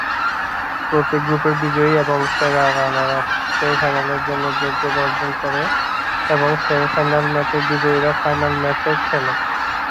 প্রতি গ্রুপের বিজয়ী এবং সেরা রানার-আপ সেমিফাইনালের জন্য যোগ্যতা অর্জন করে এবং সেমিফাইনাল ম্যাচের বিজয়ীরা ফাইনাল ম্যাচে খেলে।